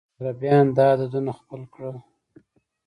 عربيان دا عددونه خپل کړل.